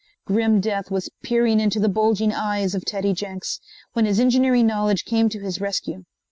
Grim death was peering into the bulging eyes of Teddy Jenks, when his engineering knowledge came to his rescue.